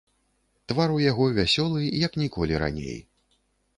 Твар у яго вясёлы як ніколі раней.